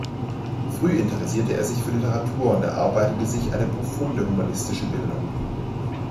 Früh interessierte er sich für Literatur und erarbeitete sich eine profunde humanistische Bildung.